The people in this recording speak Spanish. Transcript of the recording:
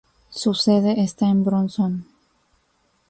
Su sede está en Bronson.